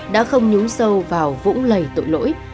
đã không nhú sâu vào vũng lầy tội lỗi